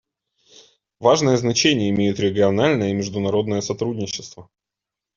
Важное значение имеют региональное и международное сотрудничество.